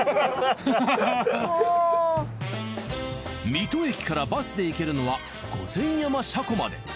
水戸駅からバスで行けるのは御前山車庫まで。